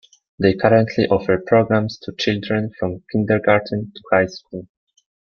They currently offer programs to children from kindergarten to high school.